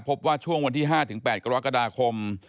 พบว่าช่วงวันที่๕๘กรกฎาคม